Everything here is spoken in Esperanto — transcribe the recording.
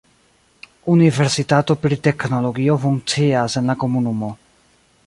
Universitato pri teknologio funkcias en la komunumo.